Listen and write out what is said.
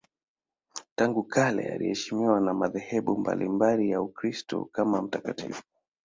Tangu kale anaheshimiwa na madhehebu mbalimbali ya Ukristo kama mtakatifu.